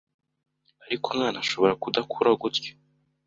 ariko umwana ashobora kudakura gutya.